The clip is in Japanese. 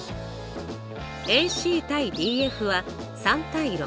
ＡＣ：ＤＦは３：６。